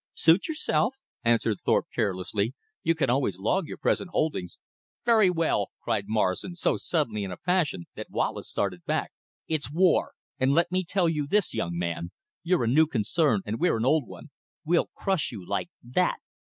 "Suit yourself," answered Thorpe carelessly. "You can always log your present holdings." "Very well," cried Morrison, so suddenly in a passion that Wallace started back. "It's war! And let me tell you this, young man; you're a new concern and we're an old one. We'll crush you like THAT!"